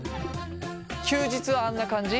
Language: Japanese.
休日はあんな感じ？